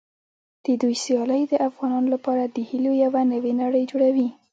د دوی سیالۍ د افغانانو لپاره د هیلو یوه نوې نړۍ جوړوي.